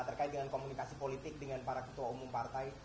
terkait dengan komunikasi politik dengan para ketua umum partai